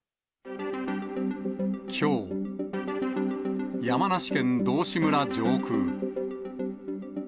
きょう、山梨県道志村上空。